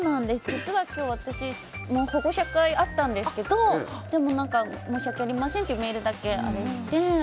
実は今日、私も保護者会があったんですけどでも、申し訳ありませんってメールだけして。